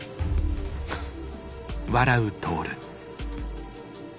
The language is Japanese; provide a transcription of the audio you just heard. フッ。